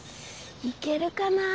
いけるかな？